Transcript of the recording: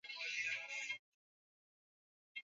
nchini humo amezishtumu vikali marekani na ufaransa